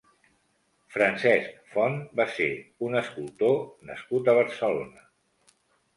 Francesc Font va ser un escultor nascut a Barcelona.